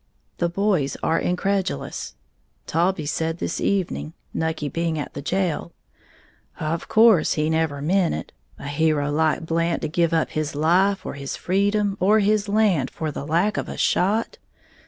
The boys are incredulous. Taulbee said this evening (Nucky being at the jail), "Of course he never meant it, a hero like Blant to give up his life, or his freedom, or his land, for the lack of a shot?